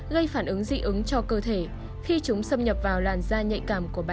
gây phản ứng dị ứng cho cơ thể khi chúng xâm nhập vào làn da nhạy cảm của bà